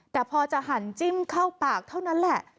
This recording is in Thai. แต่พอจะหันจิ้มเข้าปากเท่านั้นแหละ